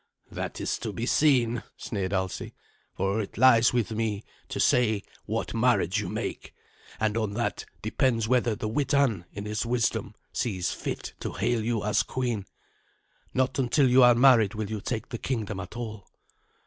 "That is to be seen," sneered Alsi, "for it lies with me to say what marriage you make, and on that depends whether the Witan, in its wisdom, sees fit to hail you as queen. Not until you are married will you take the kingdom at all."